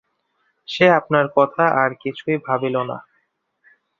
সে আপনার কথা আর কিছুই ভাবিল না।